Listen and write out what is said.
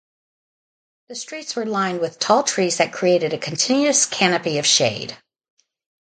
The streets were lined with tall trees that created a continuous canopy of shade.